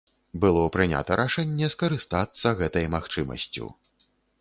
Было прынята рашэнне скарыстацца гэтай магчымасцю.